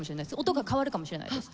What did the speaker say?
音が変わるかもしれないです。